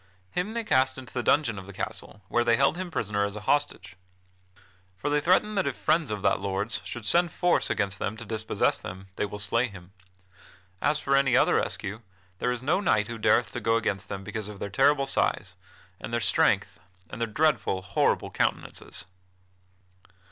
Him they cast into the dungeon of the castle, where they held him prisoner as an hostage. For they threaten that if friends of that lord's should send force against them to dispossess them, they will slay him. As for any other rescue, there is no knight who dareth to go against them because of their terrible size, and their strength, and their dreadful, horrible countenances."